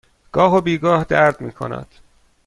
گاه و بیگاه درد می کند.